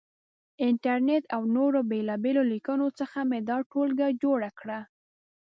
انټرنېټ او نورو بېلابېلو لیکنو څخه مې دا ټولګه جوړه کړه.